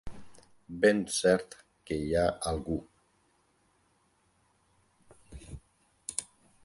Ben cert que hi ha algú